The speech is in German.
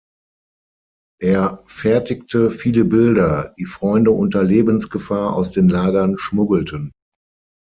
Er fertigte viele Bilder, die Freunde unter Lebensgefahr aus den Lagern schmuggelten.